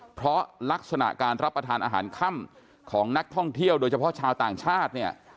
เพราะลักษณะการรับประทานอาหารค่ำของนักท่องเที่ยวโดยเฉพาะชาวต่างชาติเนี่ย